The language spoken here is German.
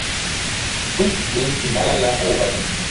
Und den Himalaja eroberte.